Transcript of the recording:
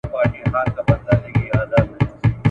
را رواني به وي ډلي د ښایستو مستو کوچیو ..